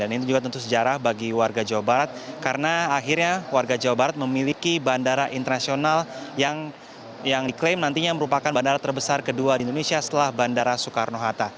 dan ini juga tentu sejarah bagi warga jawa barat karena akhirnya warga jawa barat memiliki bandara internasional yang diklaim nantinya merupakan bandara terbesar kedua di indonesia setelah bandara soekarno hatta